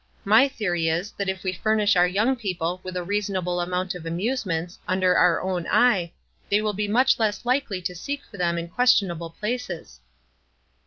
My theory is, that if we furnish our young people with a reasonable amount of amusements, under our own eye, they will be much less likely to seek for them in questiona ble places.